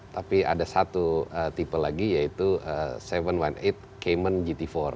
tapi ada satu tipe lagi yaitu tujuh ratus delapan belas cayman gt empat